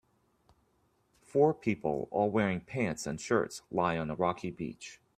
Four people all wearing pants and shirts lie on a rocky beach.